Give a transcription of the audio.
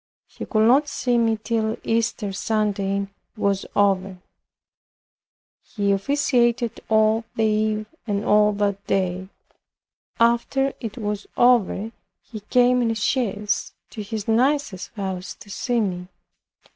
He could not see me till Easter Sunday was over. He officiated all the eve and all that day. After it was over, he came in a chaise to his niece's house to see me.